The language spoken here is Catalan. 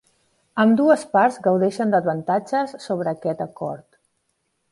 Ambdues parts gaudeixen d'avantatges sobre aquest acord.